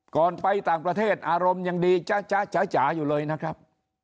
ไปต่างประเทศอารมณ์ยังดีจ๊ะจ๋าอยู่เลยนะครับ